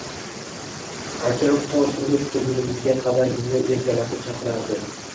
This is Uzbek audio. Akam to turmush qurgunimizga qadar bizni erkalatib chaqirardi